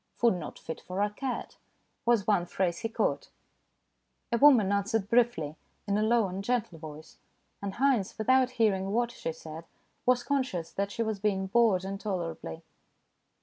"Food not fit for a cat/' was one phrase he caught. A woman answered briefly, in a low and gentle voice, and Haynes, without hearing what she said, was conscious that she was being bored intolerably.